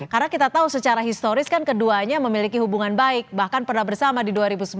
karena kita tahu secara historis kan keduanya memiliki hubungan baik bahkan pernah bersama di dua ribu sembilan